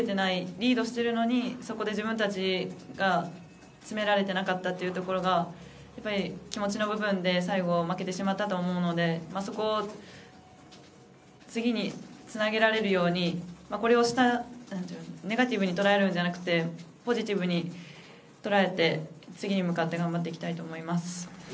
リードしているのにそこで自分たちが詰められてなかったというところが気持ちの部分で最後、負けてしまったと思うのでそこを次につなげられるようにこれをネガティブに捉えるんじゃなくてポジティブに捉えて次に向かって頑張っていきたいと思います。